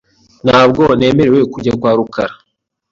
Ntabwo nemerewe kujya kwa rukara .